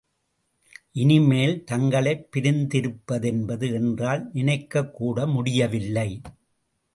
இனிமேல், தங்களைப் பிரிந்திருப்பதென்பது என்றால் நினைக்கக் கூட முடியவில்லை.